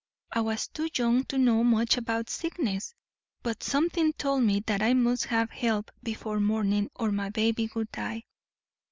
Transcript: I was too young to know much about sickness, but something told me that I must have help before morning or my baby would die.